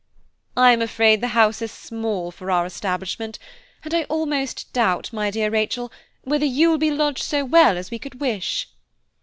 "I am afraid the house is small for our establishment, and I almost doubt, my dear Rachel, whether you will be lodged so well as we could wish."